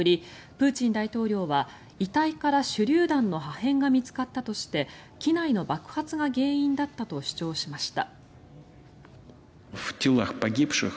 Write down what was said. プーチン大統領は遺体から手りゅう弾の破片が見つかったとして機内の爆発が原因だったと主張しました。